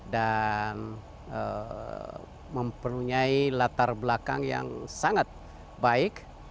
dan mempunyai latar belakang yang sangat baik